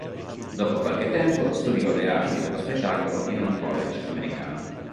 Dopo qualche tempo studiò le arti dello spettacolo in un college americano.